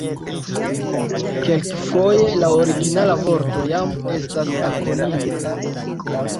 Kelkfoje la originala vorto jam estas akronimo.